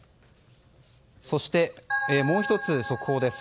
そして、もう１つ速報です。